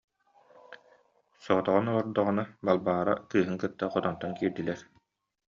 Соҕотоҕун олордоҕуна, Балбаара кыыһын кытта хотонтон киирдилэр